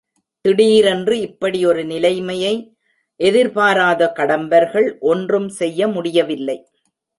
திடீரென்று இப்படி ஒரு நிலைமையை எதிர்பாராத கடம்பர்கள் ஒன்றும் செய்ய முடியவில்லை.